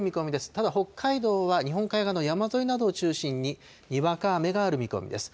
ただ、北海道は、日本海側の山沿いなどを中心ににわか雨がある見込みです。